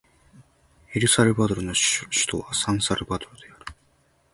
エルサルバドルの首都はサンサルバドルである